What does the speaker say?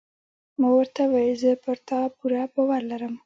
ما ورته وویل: زه پر تا پوره باور لرم.